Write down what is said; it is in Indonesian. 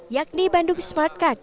yakni bandung smartcard